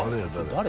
誰？